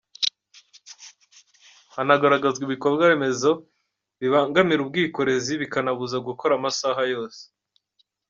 Hanagaragazwa ibikorwa remezo bibangamira ubwikorezi bikanabuza gukora amasaha yose.